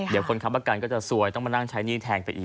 เดี๋ยวคนค้ำประกันก็จะซวยต้องมานั่งใช้หนี้แทนไปอีก